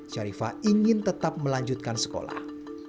syarifah ingin tetap melanjutkan sekolah